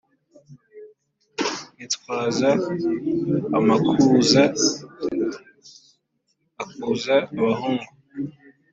Nitwaza amakuza akuza abahungu